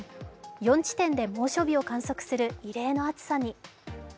４地点で猛暑日を観測する異例の暑さに。